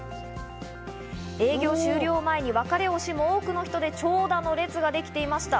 営業終了を前に別れを惜しむ多くの人で長蛇の列ができていました。